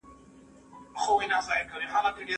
زه کولای سم د کتابتون کتابونه لوستل کړم؟!